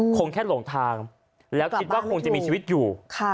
คงแค่หลงทางแล้วคิดว่าคงจะมีชีวิตอยู่